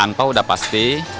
angpau udah pasti